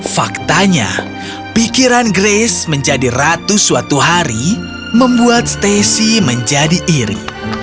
faktanya pikiran grace menjadi ratu suatu hari membuat stacy menjadi iri